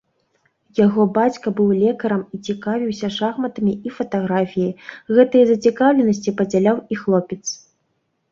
Яго бацька быў лекарам і цікавіўся шахматамі і фатаграфіяй, гэтыя зацікаўленасці падзяляў і хлопец.